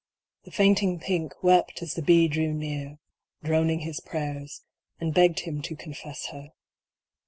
The fainting Pink wept as the bee drew near, Droning his prayers, and begged him to confess her.